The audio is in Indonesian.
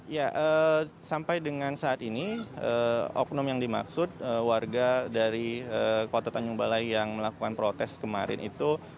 ya sampai dengan saat ini oknum yang dimaksud warga dari kota tanjung balai yang melakukan protes kemarin itu